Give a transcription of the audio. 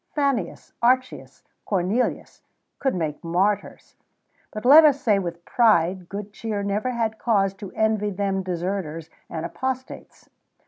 Fannius, Archius, Cornelius, could make martyrs; but let us say, with pride, good cheer never had cause to envy them deserters and apostates.